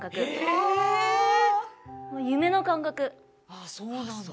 あっそうなんだ。